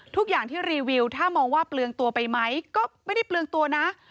ทุกอย่างที่รีวิวถ้ามองว่าเปลืองตัวไปไหมก็ไม่ได้เปลืองตัวนะ